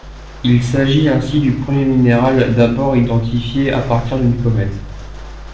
Il s'agit ainsi du premier minéral d'abord identifié à partir d'une comète.